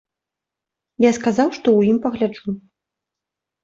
Я сказаў, што ў ім пагляджу.